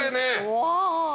うわ。